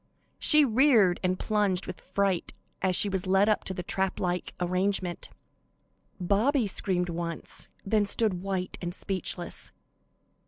She reared and plunged with fright as she was led up to the trap like arrangement. Bobby screamed once, then stood white and speechless.